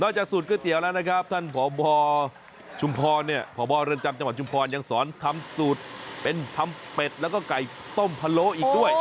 จากสูตรก๋วยเตี๋ยวแล้วนะครับท่านพบชุมพรเนี่ยพบเรือนจำจังหวัดชุมพรยังสอนทำสูตรเป็นทำเป็ดแล้วก็ไก่ต้มพะโล้อีกด้วย